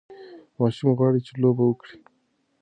ماشوم غواړي چې لوبه وکړي.